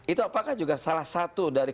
itu apakah juga salah satu dari